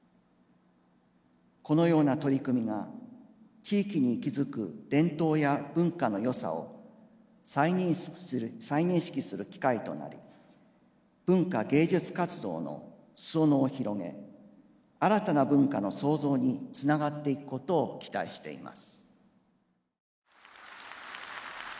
このような取組が地域に息づく伝統や文化の良さを再認識する機会となり文化芸術活動の裾野を広げ新たな文化の創造につながっていくことを期待しています。